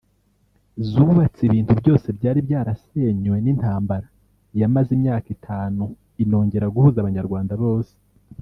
zubatse ibintu byose byari byarasenywe n’intambara yamaze imyaka itanu inongera guhuza Abanyarwanda bose